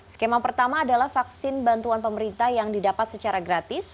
skema pertama adalah vaksin bantuan pemerintah yang didapat secara gratis